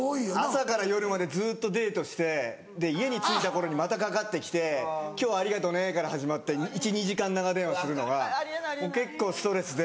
朝から夜までずっとデートして家に着いた頃にまたかかってきて「今日ありがとね」から始まって１２時間長電話するのが結構ストレスで。